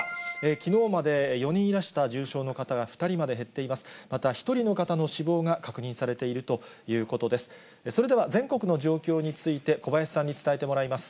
きのうまで４人いらした重症の方が２人まで減っています。